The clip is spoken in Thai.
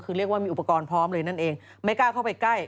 คือเรียกว่ามีอุปกรณ์พร้อมเลยนั่นเองไม่กล้าเข้าไปใกล้